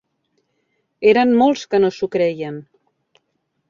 Eren molts que no s'ho creien.